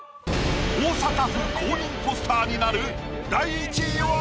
大阪府公認ポスターになる第１位は？